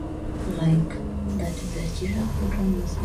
Ugonjwa wa kimeta huathiri wanyama wenye damu motomoto